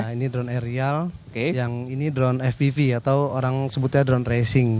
ini drone aerial yang ini drone fpv atau orang sebutnya drone racing